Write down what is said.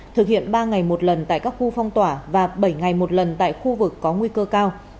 thực hiện ba ngày một lần tại các khu phong tỏa và bảy ngày một lần tại khu vực có nguy cơ cao